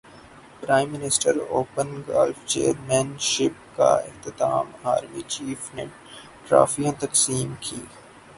prime minister open golf championship کا اختتام army chief نے ٹرافیاں تقسیم کیں